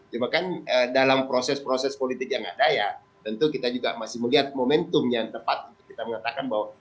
cuma kan dalam proses proses politik yang ada ya tentu kita juga masih melihat momentum yang tepat untuk kita mengatakan bahwa